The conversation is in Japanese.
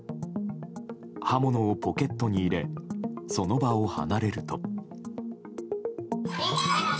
刃物をポケットに入れその場を離れると。